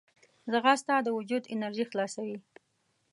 ځغاسته د وجود انرژي خلاصوي